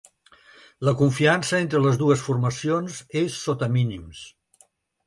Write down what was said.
La confiança entre les dues formacions és sota mínims.